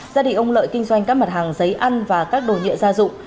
gia đình ông lợi kinh doanh các mặt hàng giấy ăn và các đồ nhựa gia dụng